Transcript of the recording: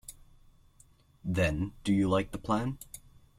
Then you do like the plan?